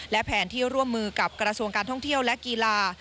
และแผนที่ร่วมมือกับกระทรวงการท่องเที่ยวและกีฬา